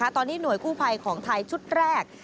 ตอนนี้หน่วยกู้ภัยของไทยชุดแรก